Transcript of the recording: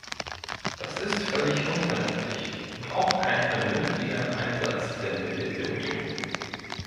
Das ist völlig unvernünftig und auch kein vernünftiger Einsatz der Mittel der Union.